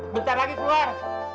besar lagi keluar